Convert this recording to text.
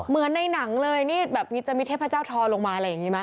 เหมือนในหนังเลยนี่แบบจะมีเทพเจ้าทอลงมาอะไรอย่างนี้ไหม